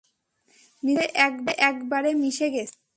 নিজের সাথে একবারে মিশে গেছে।